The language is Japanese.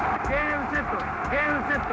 ゲームセット！